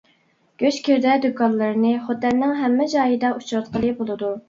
گۆش گىردە دۇكانلىرىنى خوتەننىڭ ھەممە جايىدا ئۇچراتقىلى بولىدۇ.